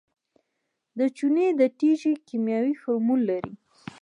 د چونې د تیږې کیمیاوي فورمول لري.